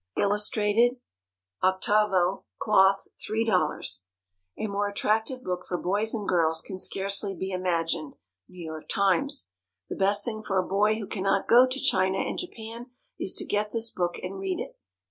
Illustrated, 8vo, Cloth, $3.00. A more attractive book for boys and girls can scarcely be imagined. N. Y. Times. The best thing for a boy who cannot go to China and Japan is to get this book and read it.